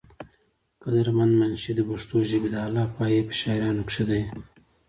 قدر مند منشي د پښتو ژبې د اعلى پائي پۀ شاعرانو کښې دے ۔